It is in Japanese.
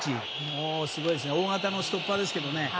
もう、すごいですね大型のストッパーですけどね。